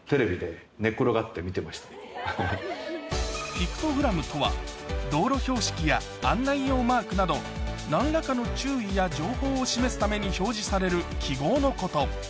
ピクトグラムとは道路標識や案内用マークなど何らかの注意や情報を示すために表示される記号のこと